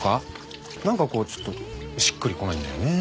何かこうちょっとしっくりこないんだよね。